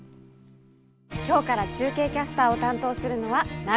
今日から中継キャスターを担当するのは永浦さんです。